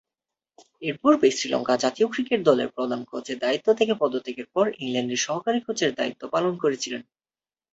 এরপূর্বে শ্রীলঙ্কা জাতীয় ক্রিকেট দলের প্রধান কোচের দায়িত্ব থেকে পদত্যাগের পর ইংল্যান্ডের সহকারী কোচের দায়িত্ব পালন করেছিলেন।